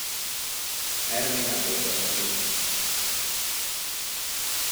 Erre még nem gondoltam így.